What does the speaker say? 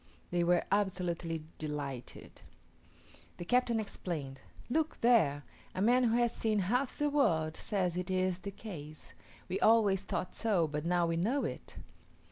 They were absolutely delighted. The captain exclaimed, "Look there! a man who has seen half the world says it is the case; we always thought so, but now we know it."